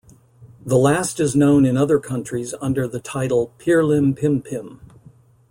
The last is known in other countries under the title "Pirlimpimpim".